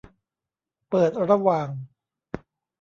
เปิดระหว่าง